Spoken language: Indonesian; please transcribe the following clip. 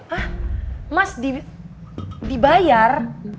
hah mas dibayar